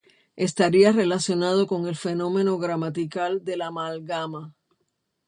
Estaría relacionado con el fenómeno gramatical de la amalgama.